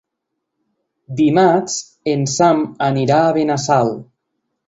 Dimarts en Sam anirà a Benassal.